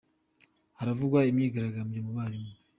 Haravugwa imyigaragambyo mu barimu